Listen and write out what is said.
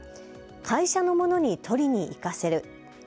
会社の者に取りに行かせる。